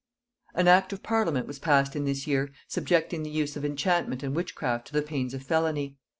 An act of parliament was passed in this year subjecting the use of enchantment and witchcraft to the pains of felony.